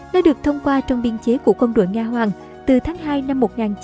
nó được thông qua trong biên chế của quân đội nga hoàng từ tháng hai năm một nghìn chín trăm tám mươi